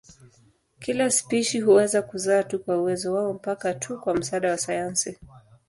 Kila spishi huweza kuzaa tu kwa uwezo wao mpaka tu kwa msaada wa sayansi.